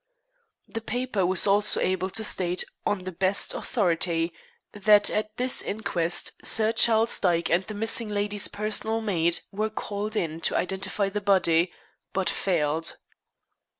The paper was also able to state "on the best authority" that at this inquest Sir Charles Dyke and the missing lady's personal maid were called in to identify the body, but failed.